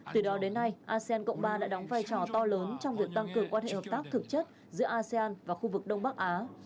từ đó đến nay asean cộng ba đã đóng vai trò to lớn trong việc tăng cường quan hệ hợp tác thực chất giữa asean và khu vực đông bắc á